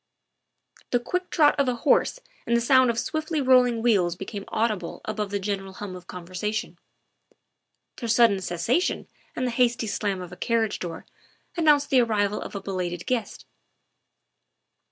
The quick trot of a horse and the sound of swiftly rolling wheels became audible above the general hum of conversation; their sudden cessation and the hasty 16 THE WIFE OF slam of a carriage door announced the arrival of a belated guest.